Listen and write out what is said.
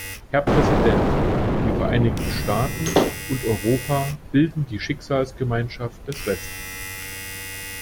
Herr Präsident! Die Vereinigten Staaten und Europa bilden die Schicksalsgemeinschaft des Westens.